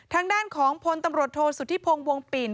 ทางด้านของพลตำรวจโทษสุธิพงศ์วงปิ่น